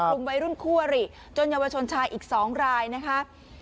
กลุ่มวัยรุ่นคู่อริจนเยาวชนชายอีก๒รายนะคะ